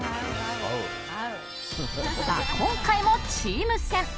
今回もチーム戦。